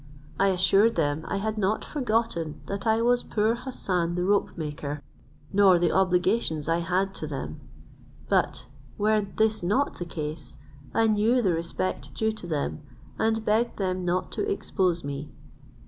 I assured them I had not forgotten that I was poor Hassan the ropemaker, nor the obligations I had to them; but were this not the case, I knew the respect due to them, and begged them not to expose me.